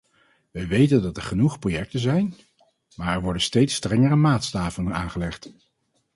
Wij weten dat er genoeg projecten zijn, maar er worden steeds strengere maatstaven aangelegd.